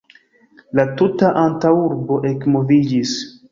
La tuta antaŭurbo ekmoviĝis.